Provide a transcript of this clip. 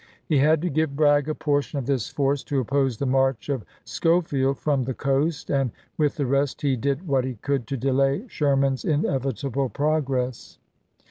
He had to give Bragg a portion of this force to oppose the march of Scho field from the coast, and with the rest he did what he could to delay Sherman's inevitable progress.